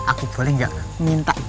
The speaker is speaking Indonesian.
aku boleh gak minta